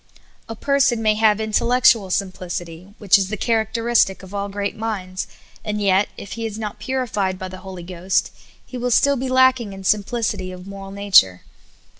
A person may have intellect ual simplicity, which is the characteristic of all great SIMPLICITY. 55 miuds, and yet, if he is not purified by the Holy Ghost, he will still be lacking in simplicity of moral nature.